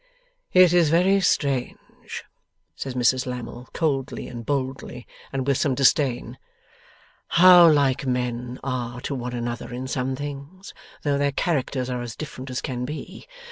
'It is very strange,' says Mrs Lammle, coldly and boldly, and with some disdain, 'how like men are to one another in some things, though their characters are as different as can be!